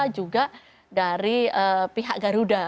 juga dari pihak garuda